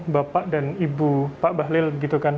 bapak dan ibu pak bahlil gitu kan